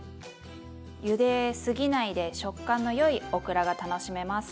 ゆですぎないで食感のよいオクラが楽しめます。